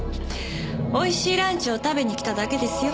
おいしいランチを食べに来ただけですよ。